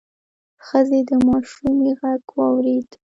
ښځې د ماشومې غږ واورېد: